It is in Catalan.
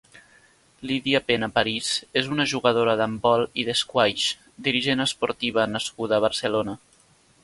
Lydia Pena París és una jugadora d'handbol i d'esquaix, dirigent esportiva nascuda a Barcelona.